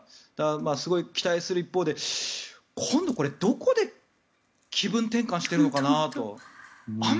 すごい期待する一方で今度これどこで気分転換してるのかなと。